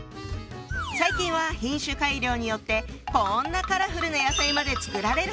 最近は品種改良によってこんなカラフルな野菜まで作られるほどに。